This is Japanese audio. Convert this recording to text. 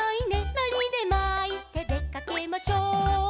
「のりでまいてでかけましょう」